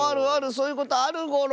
そういうことあるゴロ。